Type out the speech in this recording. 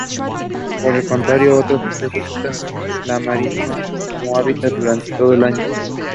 A favorite of Gov.